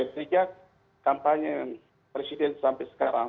sejak kampanye presiden sampai sekarang